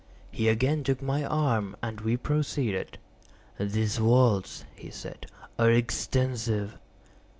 He again took my arm, and we proceeded. "These vaults," he said, "are extensive."